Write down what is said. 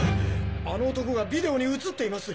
あの男がビデオに映っています。